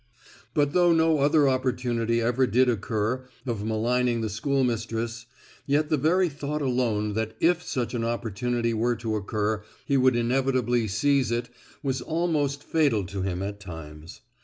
But though no other opportunity ever did occur of maligning the schoolmistress, yet the very thought alone that if such an opportunity were to occur he would inevitably seize it was almost fatal to him at times.